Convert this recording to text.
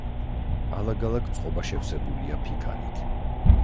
ალაგ-ალაგ წყობა შევსებულია ფიქალით.